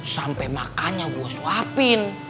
sampai makannya gue suapin